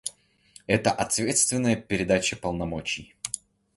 Это ответственная передача полномочий.